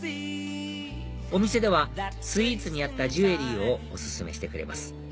お店ではスイーツに合ったジュエリーをお薦めしてくれます